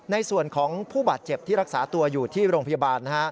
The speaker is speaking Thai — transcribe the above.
ในส่วนของผู้บาดเจ็บที่รักษาตัวอยู่ที่โรงพยาบาล